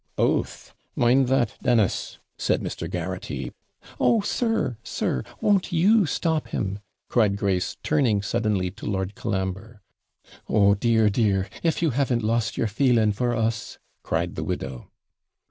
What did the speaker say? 'OATH! mind that, Dennis,' said Mr. Garraghty. 'Oh, sir! sir! won't you stop him?' cried Grace, turning suddenly to Lord Colambre. 'Oh dear, dear, if you haven't lost your feeling for us,' cried the widow.